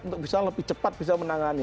untuk bisa lebih cepat bisa menangani